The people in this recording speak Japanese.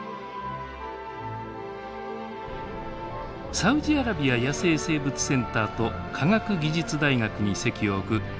サウジアラビア野生生物センターと科学技術大学に籍を置く世界各地の研究者